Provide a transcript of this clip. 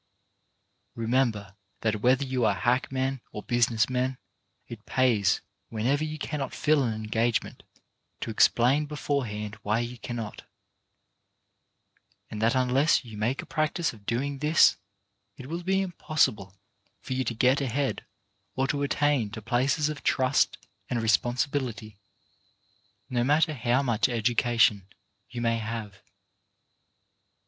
Remember that whether you are hackmen, or business men, it pays whenever you cannot fill an engagement to explain beforehand why you cannot, and that unless you make a practice of doing this, it will be impossible for you to get ahead or to attain to places of trust and responsi bility, no matter how much education you may have.